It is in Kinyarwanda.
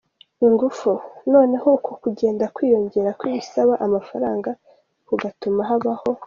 ingufu, noneho uko kugenda kwiyongera kwibisaba amafaranga kugatuma habaho.